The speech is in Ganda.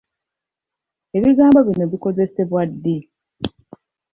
Ebigambo bino bikozesebwa ddi?